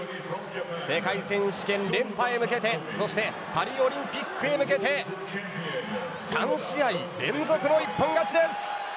世界選手権連覇へ向けてそしてパリオリンピックへ向けて３試合連続の一本勝ちです。